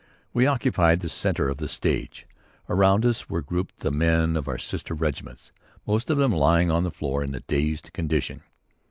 We occupied the centre of the stage. Around us were grouped the men of our sister regiments, most of them lying on the floor in a dazed condition.